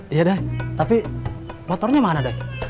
iya dad tapi motornya mana dad